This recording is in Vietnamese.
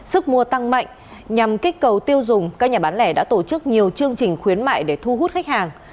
sức mua tăng mạnh nhằm kích cầu tiêu dùng các nhà bán lẻ đã tổ chức nhiều chương trình khuyến mại để thu hút khách hàng